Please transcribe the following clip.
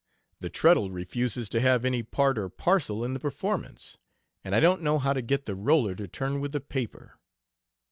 The treadle refuses to have any part or parcel in the performance; and I don't know how to get the roller to turn with the paper.